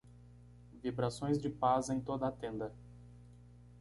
vibrações de paz em toda a tenda.